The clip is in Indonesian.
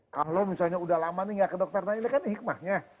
kalau misalnya sudah lama tidak ke dokter ini kan hikmahnya